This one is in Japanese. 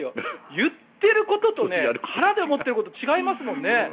言っていることと腹で思っていることが違いますからね。